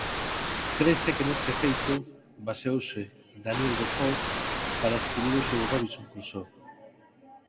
Crese que neste feito baseouse Daniel Defoe para escribir o seu "Robinson Crusoe".